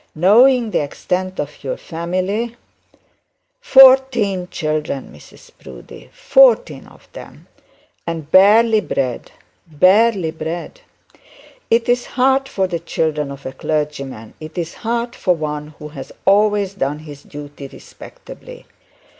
Knowing the extent of your family ' 'Fourteen children, Mrs Proudie, fourteen of them! and hardly bread barely bread! It's hard for the children of a clergyman, it's hard for one who has always done his duty respectably!'